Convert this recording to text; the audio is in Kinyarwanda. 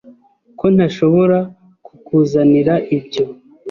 Ko ntashobora kukuzanira ibyo